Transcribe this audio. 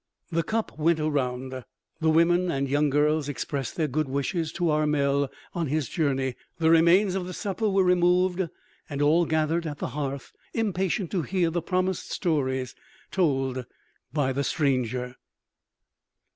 The cup went around; the women and young girls expressed their good wishes to Armel on his journey; the remains of the supper were removed; and all gathered at the hearth, impatient to hear the promised stories told by the stranger.